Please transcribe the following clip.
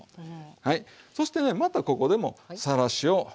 はいそしてねまたここでもさらしを用意して。